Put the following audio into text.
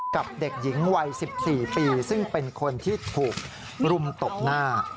กับเด็กหญิงวัย๑๔ปีซึ่งเป็นคนที่ถูกรุมตบหน้า